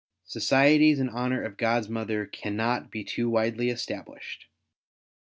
Societies in honour of God's Mother cannot be too widely established.